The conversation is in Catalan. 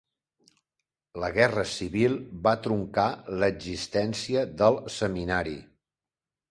La Guerra Civil va truncar l'existència del Seminari.